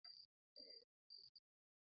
এবং মনের চর্চার জন্য প্রয়োজন ভালো বই পড়া।